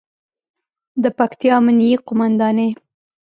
د پکتیا امنیې قوماندانۍ